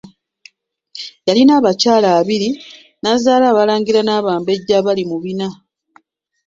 Yalina abakyala abiri n'azaala abalangira n'abambejja abiri mu bana.